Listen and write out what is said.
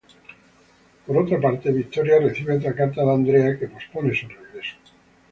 Por otra parte, Victoria recibe otra carta de Andrea, que pospone su regreso.